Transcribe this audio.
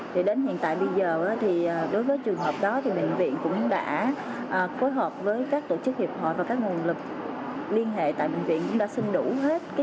thì đến hiện tại bây giờ thì đối với trường hợp đó thì bệnh viện cũng đã phối hợp với các tổ chức hiệp hội và các nguồn lực liên hệ tại bệnh viện cũng đã xin đủ hết